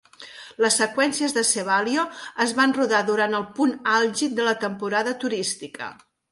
Les seqüències de Sevalio es van rodar durant el punt àlgid de la temporada turística.